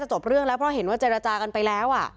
ซึ่งแล้วพอเห็นว่าเจรจากันไปแล้ว